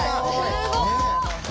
すごい！